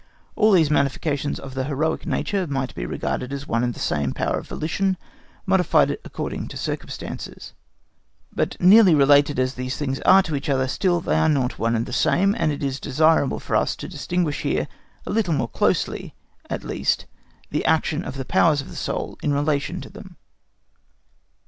All these manifestations of the heroic nature might be regarded as one and the same power of volition, modified according to circumstances; but nearly related as these things are to each other, still they are not one and the same, and it is desirable for us to distinguish here a little more closely at least the action of the powers of the soul in relation to them.